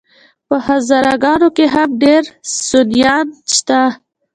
په هزاره ګانو کي هم ډير سُنيان شته